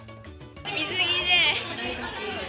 水着で。